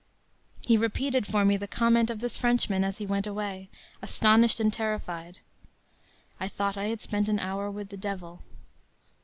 He repeated for me the comment of this Frenchman as he went away, astonished and terrified: “I thought I had spent an hour with the devil.